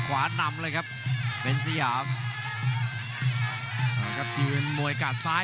กรุงฝาพัดจินด้า